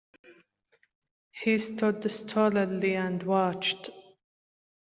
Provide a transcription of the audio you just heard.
He stood stolidly and watched.